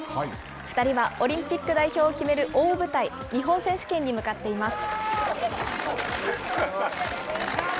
２人は、オリンピック代表を決める大舞台、日本選手権に向かっています。